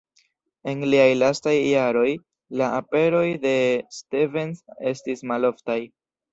En liaj lastaj jaroj, la aperoj de Stevens estis maloftaj.